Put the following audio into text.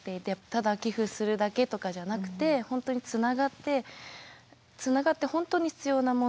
ただ寄付するだけとかじゃなくて本当につながってつながって本当に必要なもの